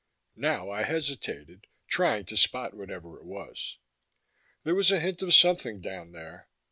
Now I hesitated, trying to spot whatever it was. There was a hint of something down there.